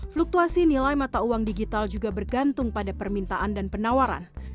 fluktuasi nilai mata uang digital juga bergantung pada permintaan dan penawaran